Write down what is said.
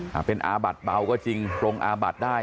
ถ้าเป็นอาบัดเบาก็จริงปรงอาบัดได้